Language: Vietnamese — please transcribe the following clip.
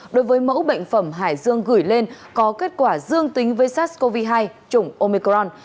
đối với mẫu bệnh phẩm hải dương gửi lên có kết quả dương tính với sars cov hai chủng omicron